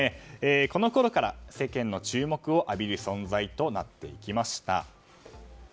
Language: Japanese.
このころから世間の注目を浴びる存在となっていきました。